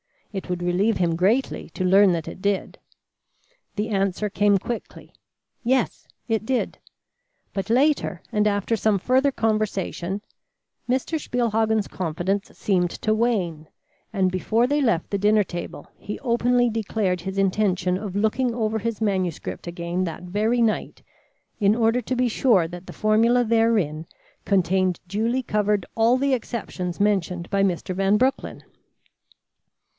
It would relieve him greatly to learn that it did. The answer came quickly. Yes, it did. But later and after some further conversation, Mr. Spielhagen's confidence seemed to wane, and before they left the dinner table, he openly declared his intention of looking over his manuscript again that very night, in order to be sure that the formula therein contained duly covered all the exceptions mentioned by Mr. Van Broecklyn.